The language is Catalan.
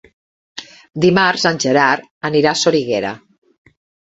Dimarts en Gerard anirà a Soriguera.